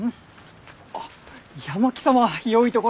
あっ八巻様よいところに！